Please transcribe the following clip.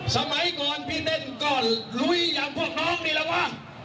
สมัยก่อนพี่เล่นก็ลุยอย่างพวกน้องนี่แหละว่า